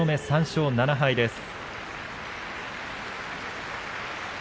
３勝７敗です。